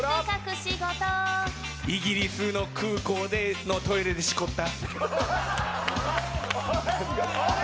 イギリスの空港のトイレでしこった。